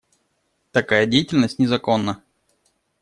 Такая деятельность незаконна.